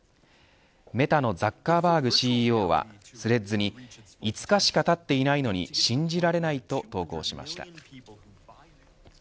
メタのザッカーバーグＣＥＯはスレッズに５日しかたっていないのに信じられないと投稿しました。